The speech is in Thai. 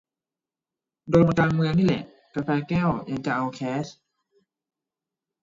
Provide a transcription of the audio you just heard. โดนมันกลางเมืองนี่แหละ กาแฟแก้ว ยังจะเอาแคช